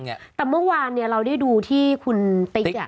แต่เมื่อวานเราได้ดูที่คุณติ๊ก